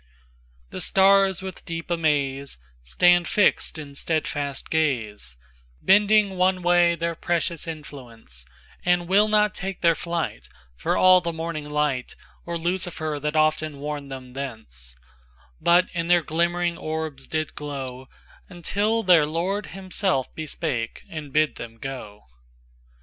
VIThe stars, with deep amaze, Stand fixed in steadfast gaze, Bending one way their precious influence, And will not take their flight, For all the morning light, Or Lucifer that often warned them thence; But in their glimmering orbs did glow, Until their Lord himself bespake, and bid them go.